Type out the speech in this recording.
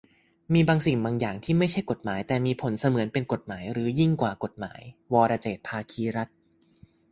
"มีบางสิ่งบางอย่างที่ไม่ใช่กฎหมาย แต่มีผลเสมือนเป็นกฎหมาย หรือยิ่งกว่ากฎหมาย" - วรเจตน์ ภาคีรัตน์